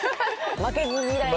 負けず嫌い。